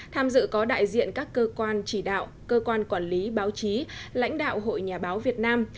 tham dự có đại diện các cơ quan chỉ đạo cơ quan quản lý báo chí lãnh đạo hội nhà báo việt nam